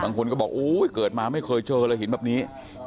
บางคนก็บอกโอ้ยเกิดมาไม่เคยเจอเลยหินแบบนี้